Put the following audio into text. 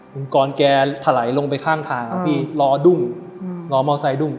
คุณกรแกถลายลงไปข้างทางพี่รอดุ้งรอมอเซดุ้ง